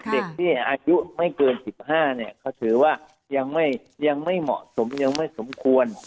เด็กที่อายุไม่เกิน๑๕เนี่ยเขาถือว่ายังไม่เหมาะสมยังไม่สมควร